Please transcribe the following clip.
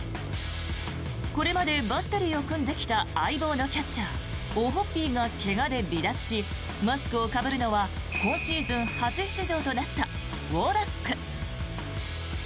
これまでバッテリーを組んできた相棒のキャッチャーオホッピーが怪我で離脱しマスクをかぶるのは今シーズン初出場となったウォラック。